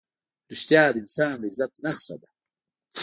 رښتیا د انسان د عزت نښه ده.